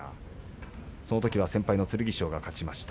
そのときは先輩の剣翔が勝ちました。